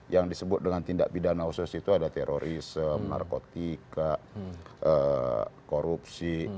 yang disebut dengan tindak pidana khusus itu ada terorisme narkotika korupsi